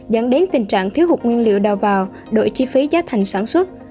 dẫn đến tình trạng thiếu hụt nguyên liệu đầu vào đổi chi phí giá thành sản xuất